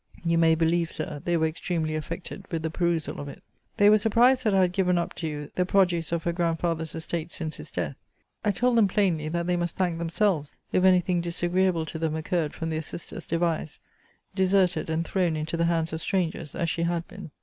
* You may believe, Sir, they were extremely affected with the perusal of it. * See Letter XII. of this volume. They were surprised that I had given up to you the produce of her grandfather's estate since his death. I told them plainly that they must thank themselves if any thing disagreeable to them occurred from their sister's devise; deserted, and thrown into the hands of strangers, as she had been.